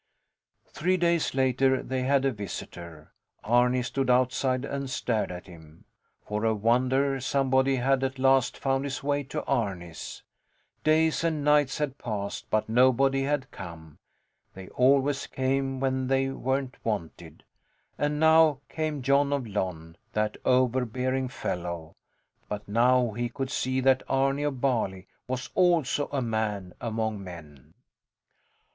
Three days later they had a visitor. Arni stood outside and stared at him. For a wonder, somebody had at last found his way to Arni's. Days and nights had passed, but nobody had come. They always came when they weren't wanted. And now came Jon of Lon, that overbearing fellow! But now he could see that Arni of Bali was also a man among men.